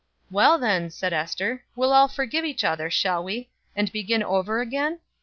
"Well, then," said Ester, "we'll all forgive each other, shall we, and begin over again?